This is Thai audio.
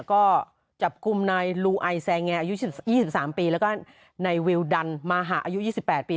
ก็จับกลุ่มนายลูไอแซงแอร์อายุ๒๓ปีแล้วก็นายวิวดันมาหาอายุ๒๘ปี